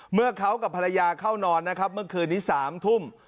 เมื่อเขากับภรรยาเข้านอนนะครับเมื่อคืนนี้๓ทุ่ม